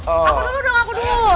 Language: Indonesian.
aku dulu dong aku dulu